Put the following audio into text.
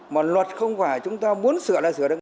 mà luật không phải chúng ta muốn sửa lại sửa được